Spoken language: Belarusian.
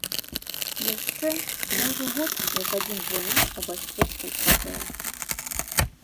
Яшчэ, я ўжо год як адзін жыву ў бацькоўскай кватэры.